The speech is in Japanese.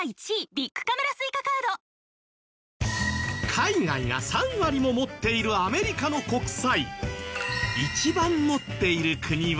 海外が３割も持っているアメリカの国債。